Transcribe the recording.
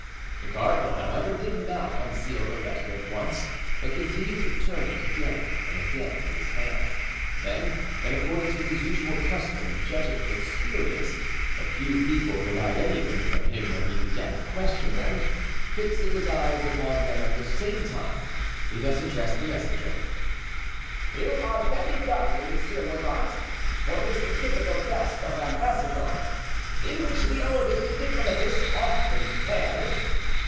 The cardinal, however, did not unseal the letter at once, but continued to turn it again and again in his hand; then, in accordance with his usual custom and judging from experience that few people could hide anything from him when he began to question them, fixing his eyes upon them at the same time, he thus addressed the messenger: "You are very young, Monsieur Mordaunt, for this difficult task of ambassador, in which the oldest diplomatists often fail."